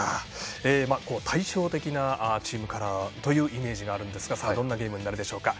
対象的なチームカラーというイメージがあるんですがどんなゲームになるでしょうか。